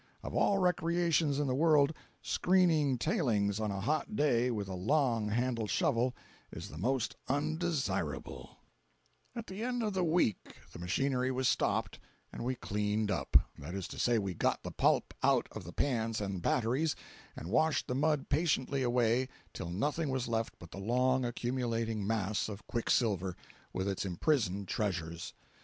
Of all recreations in the world, screening tailings on a hot day, with a long handled shovel, is the most undesirable. 254.jpg (78K) At the end of the week the machinery was stopped and we "cleaned up." That is to say, we got the pulp out of the pans and batteries, and washed the mud patiently away till nothing was left but the long accumulating mass of quicksilver, with its imprisoned treasures.